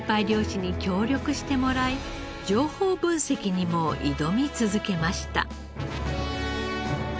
漁師に協力してもらい情報分析にも挑み続けました。